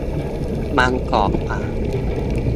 มันกรอบกว่า